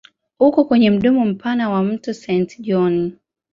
Uko kwenye mdomo mpana wa mto Saint John.